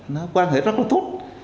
nó quan hệ rất là tốt